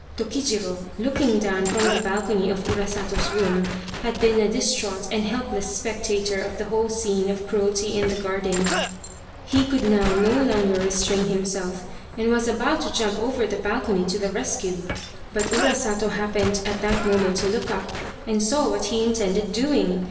Tokijiro, looking down from the balcony of Urasato's room, had been a distraught and helpless spectator of the whole scene of cruelty in the garden. He could now no longer restrain himself and was about to jump over the balcony to the rescue. But Urasato hap pened at that moment to look up and saw what he intended doing.